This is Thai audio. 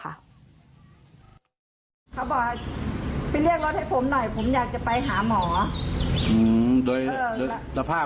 เขาบอกไปเรียกรถให้ผมหน่อยผมอยากจะไปหาหมอโดยสภาพ